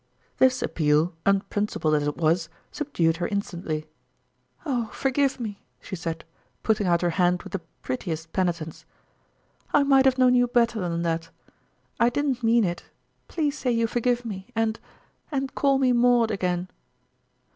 57 This appeal, unprincipled as it was, subdued her instantly. " Oh, forgive me !" she said, putting out her hand with the prettiest penitence. " I might have known you better than that. I didn't mean it. Please say you forgive me, and and call me Maud again